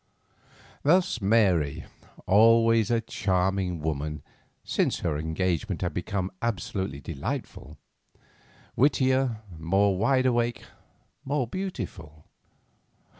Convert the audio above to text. Thus Mary, always a charming woman, since her engagement had become absolutely delightful; wittier, more wideawake, more beautiful.